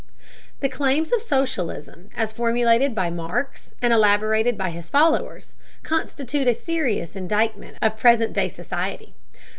The claims of socialism, as formulated by Marx and elaborated by his followers, constitute a serious indictment of present day society.